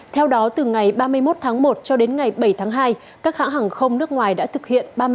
theo đó từ ngày ba mươi một tháng một cho đến ngày bảy tháng hai các hãng hàng không nước ngoài đã thực hiện